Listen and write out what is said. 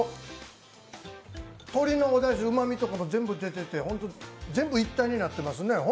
鶏のおだし、うまみとかも全部出てて、一体になってますね。